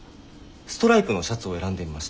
ストライプのシャツを選んでみました。